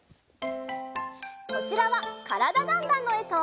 こちらは「からだ★ダンダン」のえと。